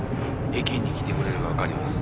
駅員に聞いてくれればわかります。